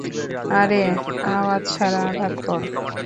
আরে, আওয়াজ ছাড়া আঘাত কর।